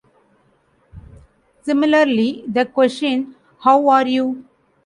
Similarly, the question how are you?